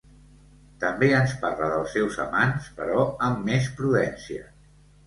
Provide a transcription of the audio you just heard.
També ens parla dels seus amants, però amb més prudència.